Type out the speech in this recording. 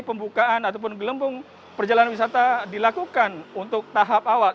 pembukaan ataupun gelembung perjalanan wisata dilakukan untuk tahap awal